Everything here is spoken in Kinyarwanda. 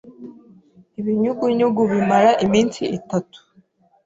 Ibinyugunyugu bimara iminsi itatu.